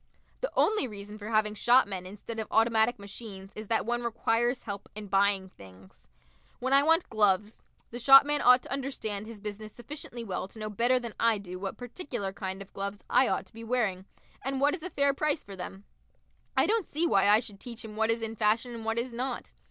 The only reason for having shopmen instead of automatic machines is that one requires help in buying things. When I want gloves, the shopman ought to understand his business sufficiently well to know better than I do what particular kind of gloves I ought to be wearing, and what is a fair price for them. I don't see why I should teach him what is in fashion and what is not.